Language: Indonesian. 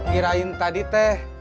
kirain tadi teh